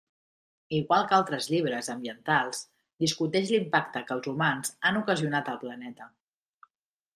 Igual que altres llibres ambientals, discuteix l'impacte que els humans han ocasionat al planeta.